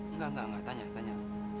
enggak enggak enggak tanya tanya